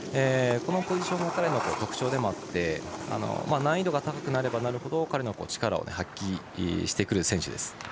このポジションは彼の特徴でもあって難易度が高くなればなるほど力を発揮してくる選手です。